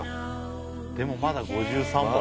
でもまだ５３番。